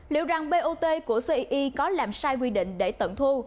liệu rằng bot của ci có làm sai quy định để tận thu